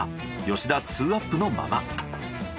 吉田２アップのまま。